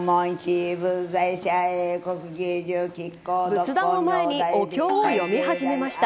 仏壇を前にお経を読み始めました。